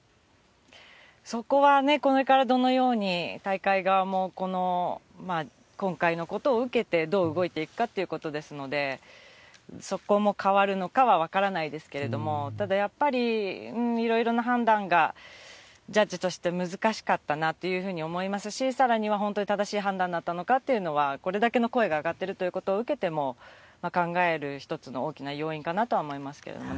そこは、これからどのように大会側も、今回のことを受けて、どう動いていくかということですので、そこも変わるのかは分からないですけれども、ただやっぱり、いろいろな判断が、ジャッジとして難しかったなというふうに思いますし、さらには本当に正しい判断だったのかというのは、これだけの声が上がっているということを受けても、考える一つの大きな要因かなとは思いますけれどもね。